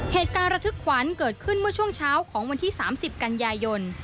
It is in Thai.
เหตุการณ์ระทึกขวัญเกิดขึ้นเมื่อช่วงเช้าของวันที่๓๐กันยายน